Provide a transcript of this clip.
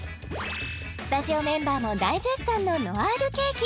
スタジオメンバーも大絶賛のノアールケーキ